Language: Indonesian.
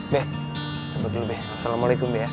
be cabut dulu be assalamualaikum be ya